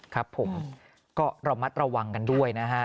ครับผมก็ระมัดระวังกันด้วยนะฮะ